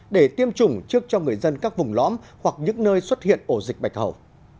để tiêm chủng trước cho người dân các vùng lõm hoặc những nơi xuất hiện ổ dịch bạch hầu